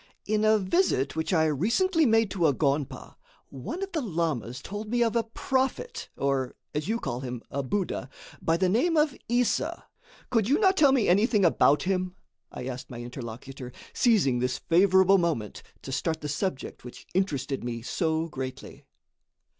"In a visit which I recently made to a gonpa, one of the lamas told me of a prophet, or, as you call him, a buddha, by the name of Issa. Could you not tell me anything about him?" I asked my interlocutor, seizing this favorable moment to start the subject which interested me so greatly.